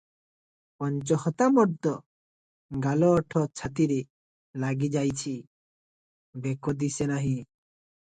ପଞ୍ଚ ହତା ମର୍ଦ, ଗାଲ ଓଠ ଛାତିରେ ଲାଗିଯାଇଛି, ବେକ ଦିଶେ ନାହିଁ ।